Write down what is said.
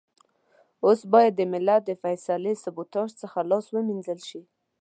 اوس بايد د ملت د فيصلې سبوتاژ څخه لاس و مينځل شي.